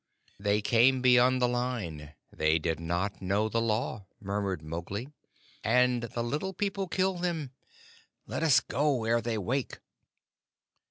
"They came beyond the line: they did not know the Law," murmured Mowgli, "and the Little People killed them. Let us go ere they wake."